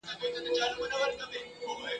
تر څو پوري چي د منظور پښتین .